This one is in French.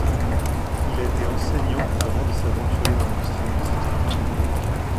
Il a été enseignant avant de s'aventurer dans l'industrie musicale.